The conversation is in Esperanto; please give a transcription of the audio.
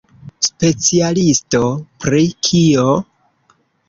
Specialisto pri kio?